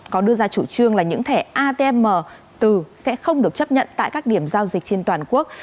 có đưa ra chủ trương là những thẻ atm từ sẽ không được chấp nhận tại các điểm giao dịch trên toàn quốc